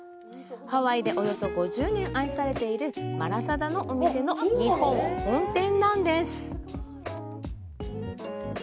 ハワイでおよそ５０年愛されているマラサダのお店の、日本本店なんです。